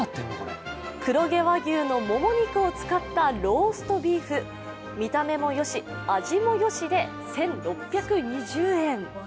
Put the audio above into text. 黒毛和牛のもも肉を使ったローストビース、見た目もよし、味もよしで１６２０円。